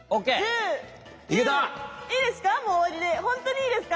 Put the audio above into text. いいですか？